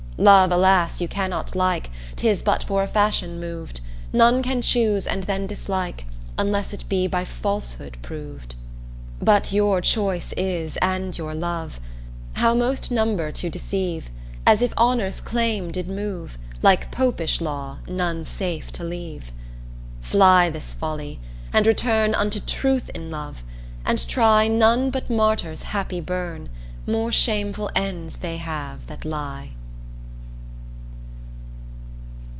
Love (alas) you cannot like 'Tis but for a fashion moved None can choose, and then dislike Unless it be by falsehood proved. But your choice is, and your love, How most number to deceive, As if honour's claim did move Like Popish law, none safe to leave; Fly this folly, and return Unto truth in love, and try, None but martyrs happy burn, More shameful ends they have that lie.